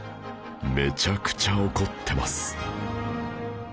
めちゃくちゃ怒ってます